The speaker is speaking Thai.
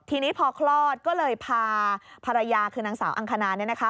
ทีนี้พอคลอดก็เลยพาภรรยาคือนางสาวอังคณา